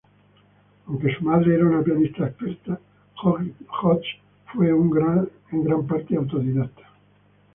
Aunque su madre era una pianista experto, Hodges fue en gran parte autodidacta.